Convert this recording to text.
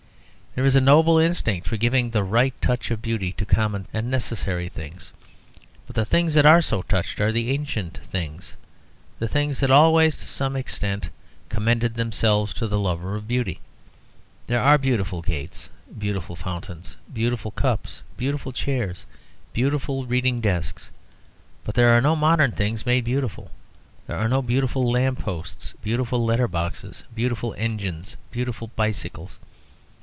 There is a noble instinct for giving the right touch of beauty to common and necessary things, but the things that are so touched are the ancient things, the things that always to some extent commended themselves to the lover of beauty. There are beautiful gates, beautiful fountains, beautiful cups, beautiful chairs, beautiful reading desks. But there are no modern things made beautiful. There are no beautiful lamp posts, beautiful letter boxes, beautiful engines, beautiful bicycles.